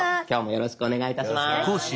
よろしくお願いします。